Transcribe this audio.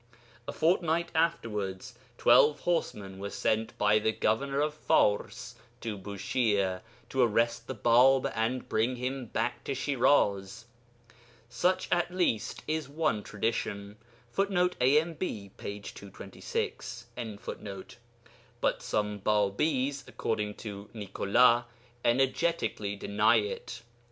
A fortnight afterwards twelve horsemen were sent by the governor of Fars to Bushire to arrest the Bāb and bring him back to Shiraz. Such at least is one tradition, [Footnote: AMB, p. 226.] but some Bābīs, according to Nicolas, energetically deny it.